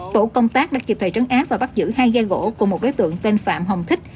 tổ công tác đã kịp thời trấn áp và bắt giữ hai ghe gỗ của một đối tượng tên phạm hồng thích